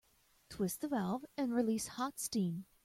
Twist the valve and release hot steam.